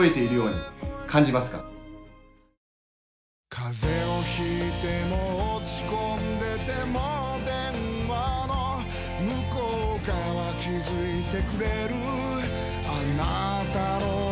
風邪を引いても落ち込んでても電話の向こう側気付いてくれるあなたの声